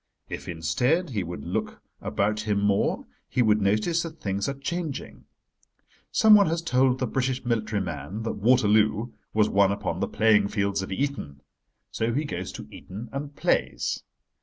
If, instead, he would look about him more he would notice that things are changing. Someone has told the British military man that Waterloo was won upon the playing fields of Eton. So he goes to Eton and plays.